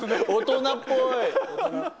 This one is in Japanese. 大人っぽい！